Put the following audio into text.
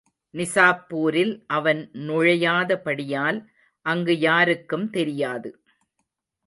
நிசாப்பூரில் அவன் நுழையாத படியால், அங்கு யாருக்கும் தெரியாது.